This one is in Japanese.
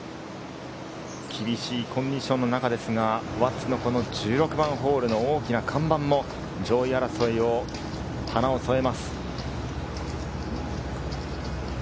厳しいコンディションの中ですが、輪厚の１６番ホールの大きな看板も、上位争いに花を添えます。